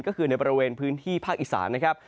ก็คือในบริเวณพื้นที่ภาคอีสานนะครับ